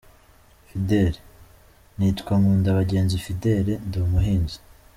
Fidele: “ Nitwa Nkundabagenzi Fidele, ndi umuhinzi.